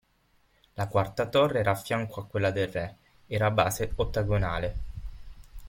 La quarta torre era affianco a quella del re, era a base ottagonale.